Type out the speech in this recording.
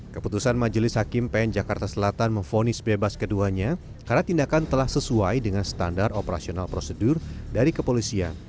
keputusan majelis hakim pn jakarta selatan memfonis bebas keduanya karena tindakan telah sesuai dengan standar operasional prosedur dari kepolisian